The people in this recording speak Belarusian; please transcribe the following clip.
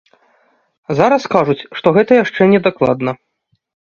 Зараз кажуць, што гэта яшчэ не дакладна.